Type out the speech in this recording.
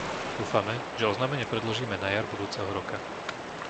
Dúfame, že oznámenie predložíme na jar budúceho roka.